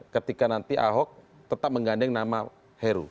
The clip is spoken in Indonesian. ketika nanti ahok tetap menggandeng nama heru